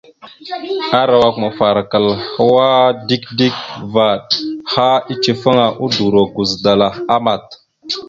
Arawak mafarakal hwa dik dik vvaɗ, ha icefaŋa, udoro guzədalah amat.